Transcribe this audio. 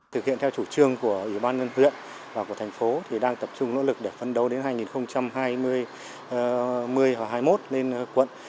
thực hiện theo chủ trương của ủy ban nhân huyện và của thành phố thì đang tập trung nỗ lực để phân đấu đến hai nghìn hai mươi và hai mươi một lên quận